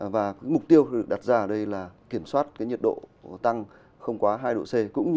và mục tiêu được đặt ra ở đây là kiểm soát nhiệt độ tăng không quá hai độ c